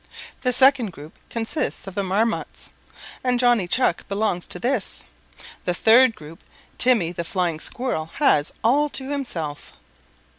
The second group consists of the Marmots, and Johnny Chuck belongs to this. The third group Timmy the Flying Squirrel has all to himself."